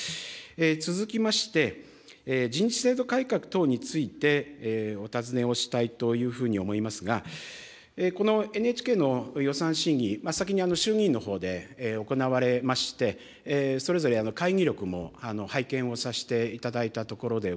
続きまして、人事制度改革等についてお尋ねをしたいというふうに思いますが、このＮＨＫの予算審議、先に衆議院のほうで行われまして、それぞれ会議録も拝見をさせていただいたところでございます。